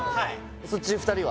そっち２人は？